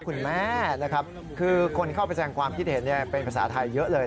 คุณแม่นะครับคือคนเข้าไปแสงความคิดเห็นเป็นภาษาไทยเยอะเลย